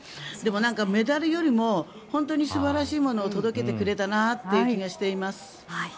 でもメダルよりも本当に素晴らしいものを届けてくれたなという気がしています。